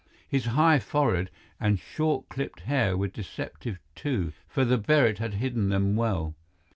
His high forehead and short clipped hair were deceptive, too, for the beret had hidden them well.